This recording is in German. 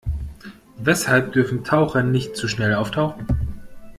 Weshalb dürfen Taucher nicht zu schnell auftauchen?